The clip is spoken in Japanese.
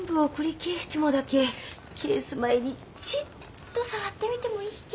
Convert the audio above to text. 返す前にちっと触ってみてもいいけ？